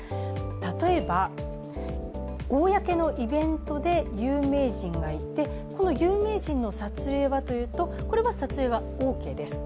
例えば、公のイベントで有名人がいてこの有名人の撮影はというとこれは撮影はオーケーです。